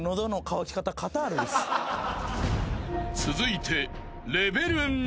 ［続いて］